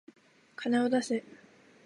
金を出せ。